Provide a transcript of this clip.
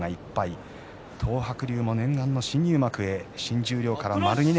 東白龍も念願の新入幕に向けて新十両から丸２年。